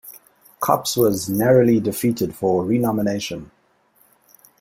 Copps was narrowly defeated for renomination.